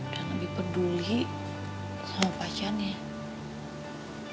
dan lebih peduli sama pacarnya